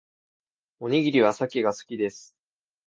おにぎりはサケが好きです